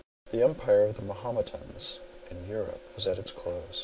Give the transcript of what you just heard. The empire of the Mahometans in Europe was at its close.